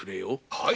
はい。